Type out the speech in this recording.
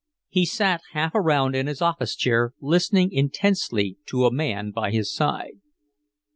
He sat half around in his office chair listening intensely to a man by his side.